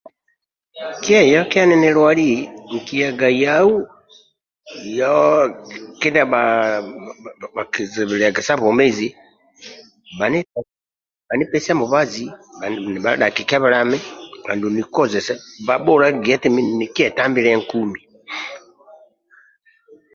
Kieyokia ninilwali nkiyaga yau yo kindia bhakizibilaga sa bwomezi nibhadhaki kebelami bhanipesie mubazi andulu nikozese mabhula gie eti nikietambilia nkumi